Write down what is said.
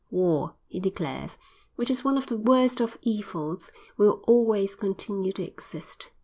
"War," he declares, "which is one of the worst of evils, will always continue to exist.